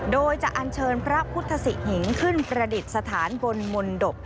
โดยจะอันเชิญพระพุทธศิหิงขึ้นประดิษฐานบนมนตบ